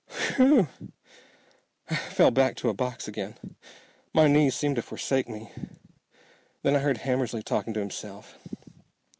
Whew! I fell back to a box again. My knees seemed to forsake me. Then I heard Hammersly talking to himself.